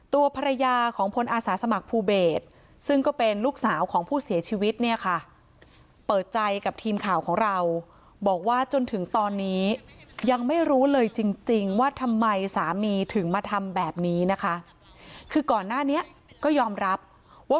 โทรไปอีกเขาต้องพีชเป็นอะไรหรือเปล่าป๊าทำอะไรหรือเปล่า